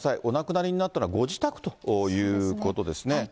お亡くなりになったのはご自宅ということですね。